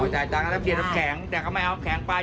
จ่ายตังค่าน้ำแข็งแต่เขาไม่เอาน้ำแข็งไป